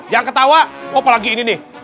jangan ketawa oh apalagi ini nih